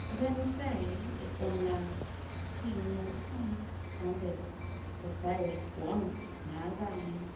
THEN SAY, IF ONE THOU'ST SEEN MORE FINE THAN THIS, THE FAIRIES' ONCE, NOW THINE.